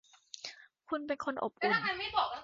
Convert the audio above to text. คุณเป็นคนอบอุ่น